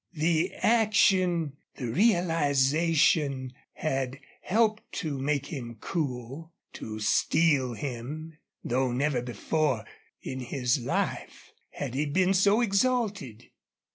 The action, the realization had helped to make him cool, to steel him, though never before in his life had he been so exalted.